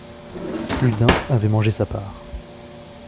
Plus d’un avait mangé sa part.